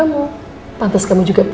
terus siapa dari mama kamu